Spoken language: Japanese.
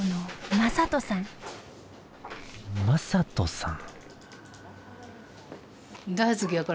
まさとさん。